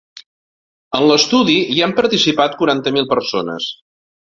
En l’estudi hi han participat quaranta mil persones.